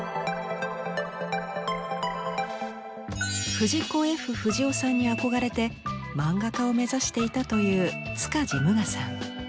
藤子・Ｆ・不二雄さんに憧れて漫画家を目指していたという塚地武雅さん。